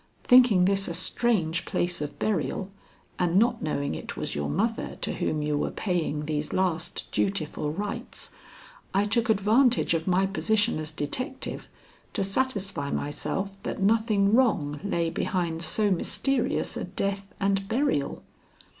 Thinking this a strange place of burial and not knowing it was your mother to whom you were paying these last dutiful rites, I took advantage of my position as detective to satisfy myself that nothing wrong lay behind so mysterious a death and burial.